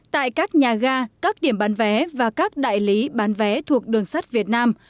tại các nhà ga các điểm bán vé và các đại lý bán vé thuộc đường sắt việt nam